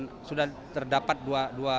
dua kebakaran yang berbeda